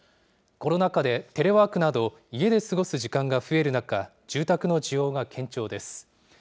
コロナ禍でテレワークなど、家で過ごす時間が増える中、住宅の需要が堅調です。